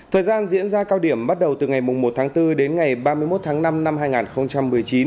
thời gian diễn ra cao điểm bắt đầu từ ngày một tháng bốn đến ngày ba mươi một tháng năm năm hai nghìn một mươi chín